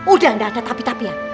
udah nggak ada tapi tapi ya